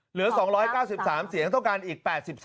เหลือ๒๙๓เสียงต้องการอีก๘๓